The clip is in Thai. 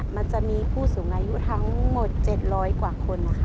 มันจะมีผู้สูงอายุทั้งหมด๗๐๐กว่าคนนะคะ